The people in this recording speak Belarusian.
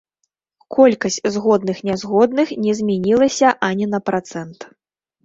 Колькасць згодных-нязгодных не змянілася ані на працэнт.